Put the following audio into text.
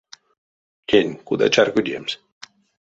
Тень кода чарькодемс?